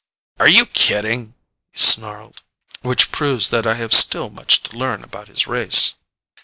"Are you kidding?" he snarled. Which proves that I have still much to learn about his race.